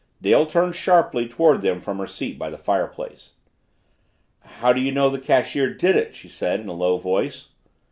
Dale turned sharply toward them from her seat by the fireplace. "How do you know the cashier did it?" she said in a low voice.